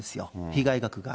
被害額が。